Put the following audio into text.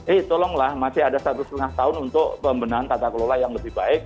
eh tolonglah masih ada satu setengah tahun untuk pembenahan tata kelola yang lebih baik